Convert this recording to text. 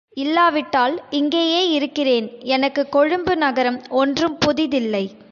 இல்லாவிட்டால் இங்கேயே இருக்கிறேன் எனக்கு கொழும்பு நகரம் ஒன்றும் புதிதில்லை.